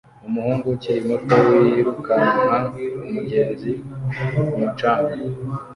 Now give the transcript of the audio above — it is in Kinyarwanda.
Umuhungu ukiri muto wirukanka umugezi ku mucanga